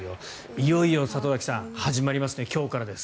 いよいよ里崎さん始まりますね今日からです。